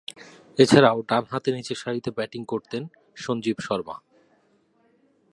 এছাড়াও, ডানহাতে নিচেরসারিতে ব্যাটিং করতেন সঞ্জীব শর্মা।